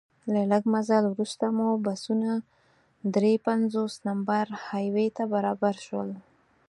له لږ مزل وروسته مو بسونه درې پنځوس نمبر های وې ته برابر شول.